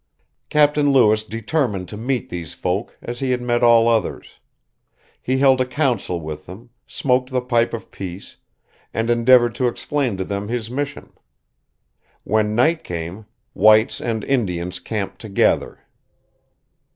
Captain Lewis determined to meet these folk as he had met all others. He held a council with them, smoked the pipe of peace, and endeavored to explain to them his mission. When night came, whites and Indians camped together.